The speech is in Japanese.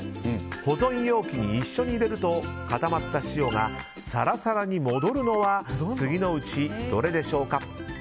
保存容器に一緒に入れると固まった塩がサラサラに戻るのは次のうちどれでしょうか。